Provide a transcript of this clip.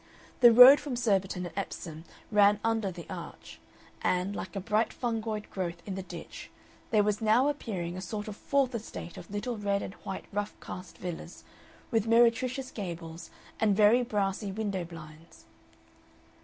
The road from Surbiton and Epsom ran under the arch, and, like a bright fungoid growth in the ditch, there was now appearing a sort of fourth estate of little red and white rough cast villas, with meretricious gables and very brassy window blinds.